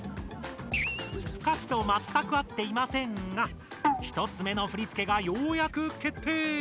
歌詞とまったく合っていませんが１つ目の振付がようやく決定！